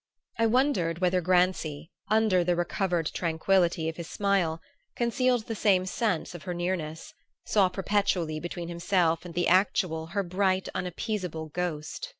I wondered whether Grancy, under the recovered tranquillity of his smile, concealed the same sense of her nearness, saw perpetually between himself and the actual her bright unappeasable ghost.